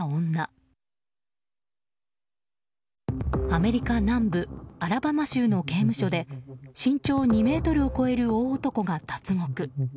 アメリカ南部アラバマ州の刑務所で身長２ｍを超える大男が脱獄。